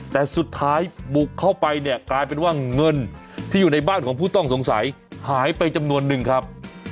แต่สุดท้ายบุกเข้าไปเนี่ยกลายเป็นว่าเงินที่อยู่ในบ้านของผู้ต้องสงสัยหายไปจำนวนนึงครับ